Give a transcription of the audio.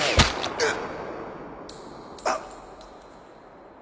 うっ。